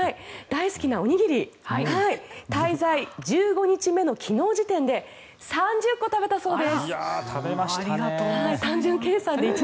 大好きなおにぎり滞在１５日目の昨日時点で３０個食べたそうです。